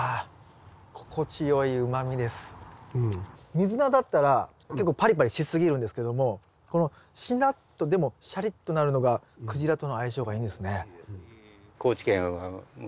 ミズナだったら結構パリパリしすぎるんですけどもこのしなっとでもシャリっとなるのがクジラとの相性がいいんですね。